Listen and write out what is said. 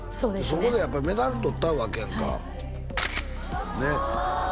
そこでやっぱりメダル取ったわけやんかねっ？